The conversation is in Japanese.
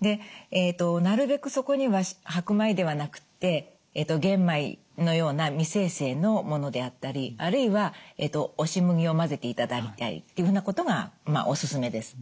でなるべくそこには白米ではなくって玄米のような未精製のものであったりあるいは押し麦を混ぜていただいたりっていうふうなことがおすすめです。